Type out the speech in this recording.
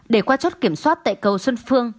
để qua chốt kiểm soát tại cầu xuân phương